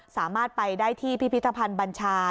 สามารถไปได้ที่พิพิธภัณฑ์บัญชา